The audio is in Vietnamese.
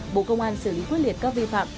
bộ công an xử lý quyết liệt các vi phạm